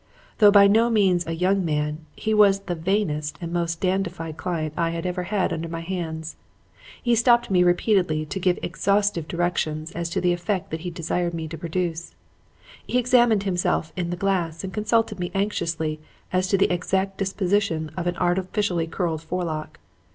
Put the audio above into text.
Though by no means a young man, he was the vainest and most dandified client I had ever had under my hands. He stopped me repeatedly to give exhaustive directions as to the effect that he desired me to produce. He examined himself in the glass and consulted me anxiously as to the exact disposition of an artificially curled forelock.